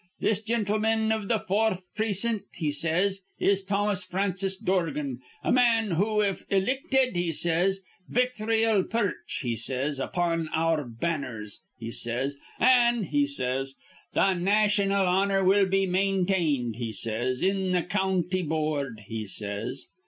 This, gintlemen iv th' foorth precin't,' he says, 'is Thomas Francis Dorgan, a man who, if ilicted,' he says, 'victhry'll perch,' he says, 'upon our banners,' he says; 'an',' he says, 'th' naytional honor will be maintained,' he says, 'in th' county boord,' he says.